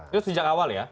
itu sejak awal ya